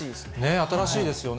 新しいですよね。